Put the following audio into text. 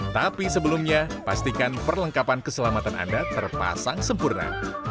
tapi sebelumnya pastikan perlengkapan keselamatan anda terpasang sempurna